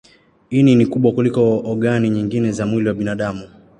Ini ni kubwa kuliko ogani nyingine za mwili wa binadamu.